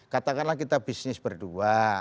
katakanlah kita bisnis berdua